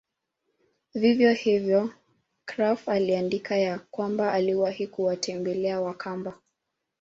Vivyo hivyo Krapf aliandika ya kwamba aliwahi kuwatembela Wakamba